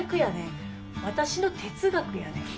私の哲学やねん。